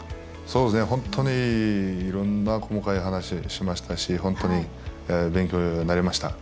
本当に、いろんな細かい話しましたし本当に勉強になりました。